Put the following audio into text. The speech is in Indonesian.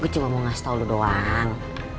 gue cuma mau ngasih tau lo doang